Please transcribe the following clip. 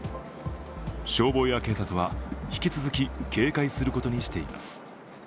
消防や警察は引き続き警戒することにしています。